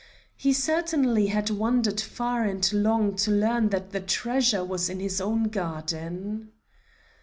He certainly had wandered far and long to learn that the treasure was in his own garden.